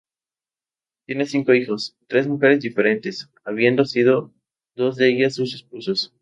Tiene cinco hijos, de tres mujeres diferentes, habiendo sido dos de ellas sus esposas.